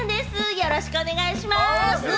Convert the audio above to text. よろしくお願いします。